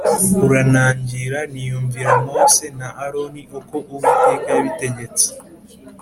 uranangira ntiyumvira Mose na Aroni uko Uwiteka yabitegetse.